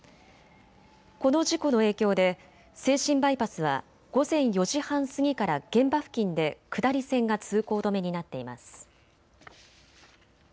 この事故の影響で静清バイパスは午前４時半過ぎから現場付近で下り線が通行止めになっています。